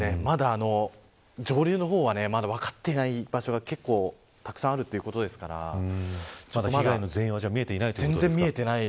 上流の方は分かっていない場所が結構たくさんあるということですから被害の全容はまだ見えていないんですね。